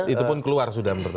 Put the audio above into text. itu pun keluar sudah menurut